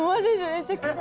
めちゃくちゃ。